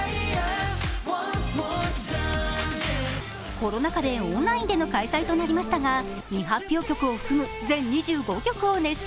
コロナ禍でオンラインでの開催となりましたが、未発表曲を含む全２５曲を熱唱。